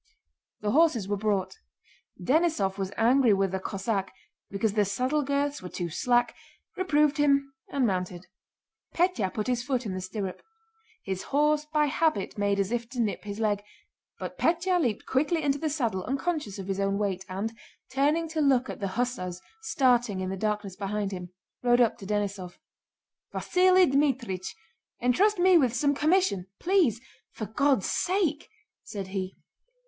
The horses were brought. Denísov was angry with the Cossack because the saddle girths were too slack, reproved him, and mounted. Pétya put his foot in the stirrup. His horse by habit made as if to nip his leg, but Pétya leaped quickly into the saddle unconscious of his own weight and, turning to look at the hussars starting in the darkness behind him, rode up to Denísov. "Vasíli Dmítrich, entrust me with some commission! Please... for God's sake...!" said he.